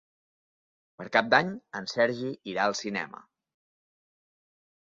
Per Cap d'Any en Sergi irà al cinema.